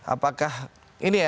apakah ini ya